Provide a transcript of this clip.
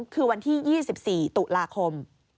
คือวันที่๒๔ตุลาคม